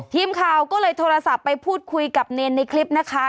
ทีมข่าวก็เลยโทรศัพท์ไปพูดคุยกับเนรในคลิปนะคะ